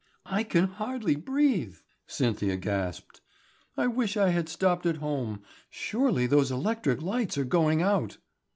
"I can hardly breathe," Cynthia gasped. "I wish I had stopped at home. Surely those electric lights are going out."